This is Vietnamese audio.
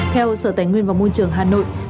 theo sở tài nguyên và môi trường hà nội